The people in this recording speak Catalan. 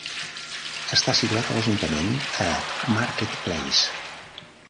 Està situat a l"ajuntament a Market Place.